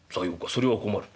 それは困る。